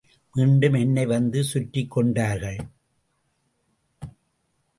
மீணடும் என்னை வந்து சுற்றிக் கொண்டார்கள்.